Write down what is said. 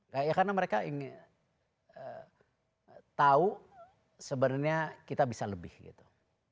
kayak karena mereka ingin tahu sebenarnya kita bisa lebih gitu